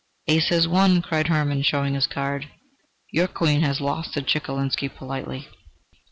"Ace has won!" cried Hermann, showing his card. "Your queen has lost," said Chekalinsky, politely.